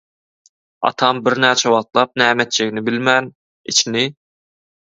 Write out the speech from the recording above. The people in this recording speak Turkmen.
Atam birnäçe wagtlap näme etjegini bilmän, içini